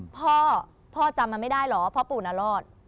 พ่อพ่อจำมันไม่ได้เหรอพ่อปู่นารอด